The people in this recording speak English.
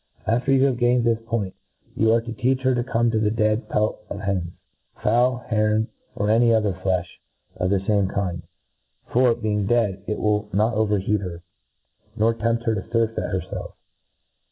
After you have gained this pointy you arc to teach her to come to the dead pelt of hens, fowl, heron, or any other flefh of the fame kind ; for, being dead, it will not overheat her, nor tempt her to furfeit herfelf.